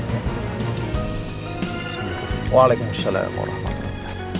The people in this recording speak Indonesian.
assalamualaikum warahmatullahi wabarakatuh